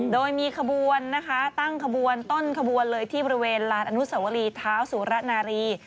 โดยมีขบวนนะคะตั้งขบวนต้นขบวนเลยที่บริเวณลานอนุสวรีเท้าสุระนารี